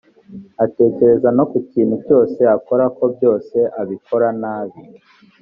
atekereza no kukintu cyose akora kobyos abikora nabi